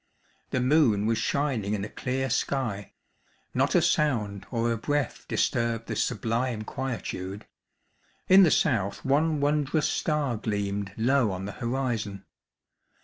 The moon was shining in a clear sky, not a sound or a breath disturbed the sublime quietude; in the south one wondrous star gleamed low on the horizon.